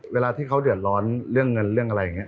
เวลาที่เขาเดือดร้อนเรื่องเงินเรื่องอะไรอย่างนี้